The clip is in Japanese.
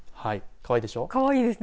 かわいいですね。